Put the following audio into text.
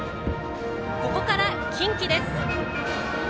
ここから近畿です。